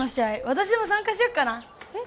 私も参加しよっかなえっ